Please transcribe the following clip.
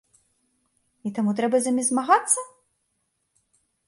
І таму трэба з імі змагацца?